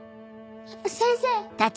先生！